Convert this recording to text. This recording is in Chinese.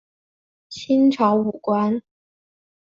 清朝武官。